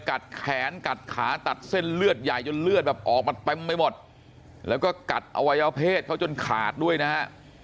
แขนกัดขาตัดเส้นเลือดใหญ่จนเลือดแบบออกมาเต็มไปหมดแล้วก็กัดอวัยวเพศเขาจนขาดด้วยนะฮะ